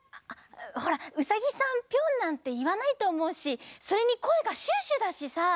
ほらウサギさん「ピョン」なんていわないとおもうしそれにこえがシュッシュだしさ。